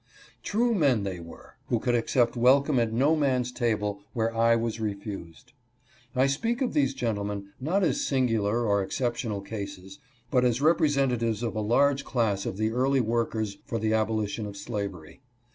True men they were, who could accept welcome at no man's table where I was refused. I speak of these gentlemen, not as singular or exceptional cases, but as representatives of a large class of the early workers for the abolition of slavery.